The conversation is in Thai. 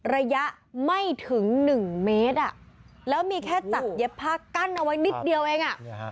ระยะไม่ถึง๑เมตรแล้วมีแค่จักรเย็บผ้ากั้นเอาไว้นิดเดียวเอง